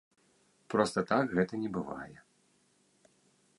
Проста так гэта не бывае.